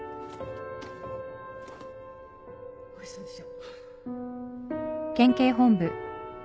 おいしそうでしょ？